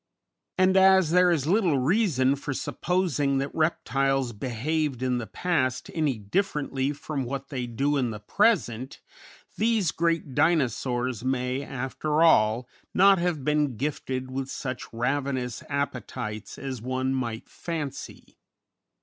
And as there is little reason for supposing that reptiles behaved in the past any differently from what they do in the present, these great Dinosaurs may, after all, not have been gifted with such ravenous appetites as one might fancy.